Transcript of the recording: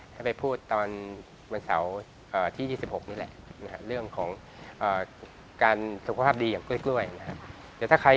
ให้ไปพูดตอนวันเสาร์๒๖นี้แหละ